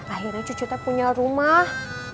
akhirnya cucu tuh punya rumah